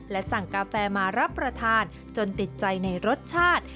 และสั่งกาแฟมารับประทานจนติดใจในรสชาติ